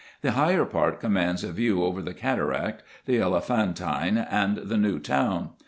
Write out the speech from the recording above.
The higher part commands a view over the cataract, the Elephantine, and the New Town.